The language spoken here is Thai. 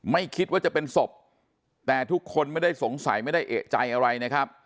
ไม่คิดว่าจะเป็นศพแต่ทุกคนไม่ได้สงสัยไม่ได้เอกใจอะไรนะครับ